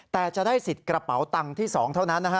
แต่จะได้สิทธิ์กระเป๋าตังค์ที่๒เท่านั้นนะฮะ